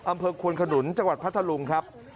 อำเภอควนขนุนจังหวัดพัทธลุงครับ